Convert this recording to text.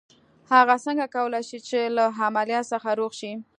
هغه څنګه کولای شي چې له عمليات څخه روغ شي.